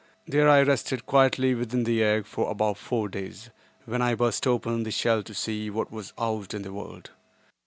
There I rested quietly within the egg for about four days, when I burst open the shell to see what was out in the world.